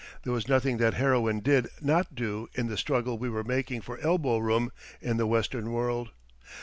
There was nothing that heroine did not do in the struggle we were making for elbow room in the western world.